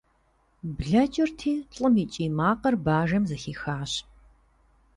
Блэкӏырти, лӏым и кӏий макъыр бажэм зэхихащ.